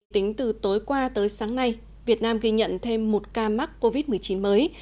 tính từ tối qua tới sáng nay việt nam ghi nhận thêm một ca mắc covid một mươi chín mới